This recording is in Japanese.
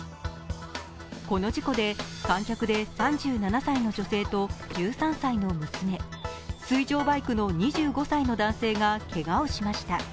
この事故で、観客で３７歳の女性と１３歳の娘、水上バイクの２５歳の男性がけがをしました。